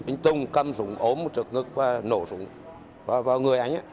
anh tùng cầm súng ốm một trực ngực và nổ súng